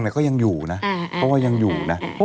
แต่คุณนัทเขาก็